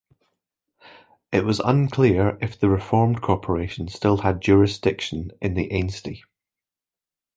It was unclear if the reformed corporation still had jurisdiction in the Ainsty.